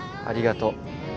ありがとう。